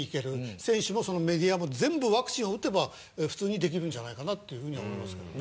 選手もメディアも全部ワクチンを打てば普通にできるんじゃないかなっていうふうには思いますけどね。